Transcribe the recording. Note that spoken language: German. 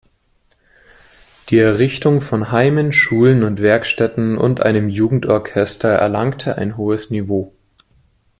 Die Errichtung von Heimen, Schulen und Werkstätten und einem Jugendorchester erlangte ein hohes Niveau.